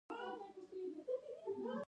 د ښاروالۍ عواید له صفايي ټکس دي